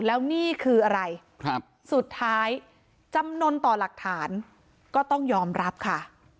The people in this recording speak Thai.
แล้วนี่คืออะไรสุดท้ายจำนวนต่อหลักฐานก็ต้องยอมรับค่ะ